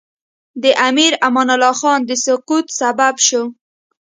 د امیر امان الله خان د سقوط سبب شو.